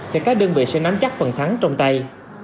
thì các đơn vị sẽ nắm chắc phần thắng trong tay